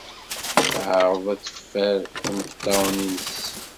Teɛreḍ ad teffer imeṭṭawen-nnes.